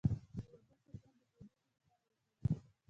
د وربشو ګل د تودوخې لپاره وکاروئ